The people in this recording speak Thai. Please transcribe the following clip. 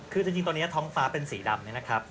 คือจริงตอนนี้ท้องฟ้าเป็นสีดำเนี่ยนะครับ